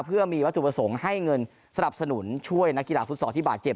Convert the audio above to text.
เพื่อมีวัตถุประสงค์ให้เงินสนับสนุนช่วยนักกีฬาฟุตซอลที่บาดเจ็บ